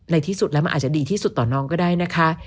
ที่สุดแล้วมันอาจจะดีที่สุดต่อน้องก็ได้นะคะ